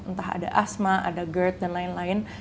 entah ada asma ada gerd dan lain lain